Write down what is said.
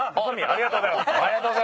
ありがとうございます。